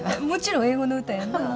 もちろん英語の歌やんな？